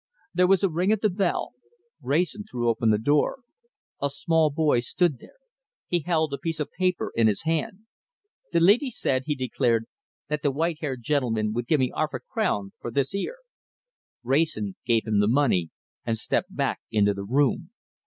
There was a ring at the bell. Wrayson threw open the door. A small boy stood there. He held a piece of paper in his hand. "The lidy said," he declared, "that the white headed gentleman would give me 'arf a crown for this 'ere!" Wrayson gave him the money, and stepped back into the room.